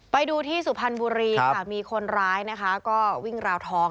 ไปดูที่สุพันธ์บุรีมีคนร้ายก็วิ่งราวทอง